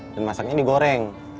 dan masaknya digoreng